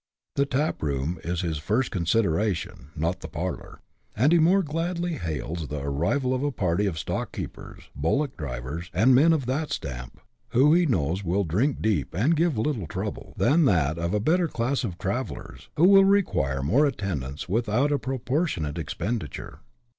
The tap room is his first consideration, not the parlour ; and he more gladly hails the arrival of a party of stock keepers, bullock drivers, and men of that stamp, wlio he knows will drink deep and give little trouble, than that of a better class of travellers, who will require more attendance without a proportionate expenditure.